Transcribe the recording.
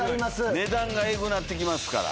値段がエグなって来ますから。